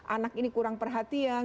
anak ini kurang perhatian